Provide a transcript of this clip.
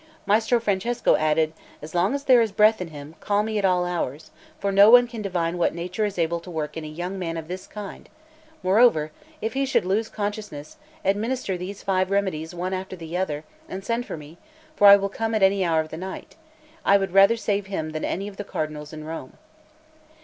Maestro Francesco added: "As long as there is breath in him, call me at all hours; for no one can divine what Nature is able to work in a young man of this kind; moreover, if he should lose consciousness, administer these five remedies one after the other, and send for me, for I will come at any hour of the night; I would rather save him than any of the cardinals in Rome."